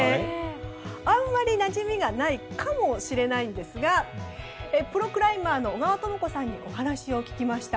あんまりなじみがないかもしれないんですがプロクライマー尾川とも子さんにお話を聞きました。